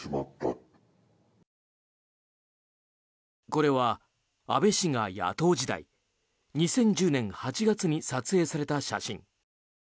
これは安倍氏が野党時代２０１０年８月に撮影された写真。